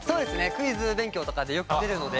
クイズ勉強とかでよく出るので。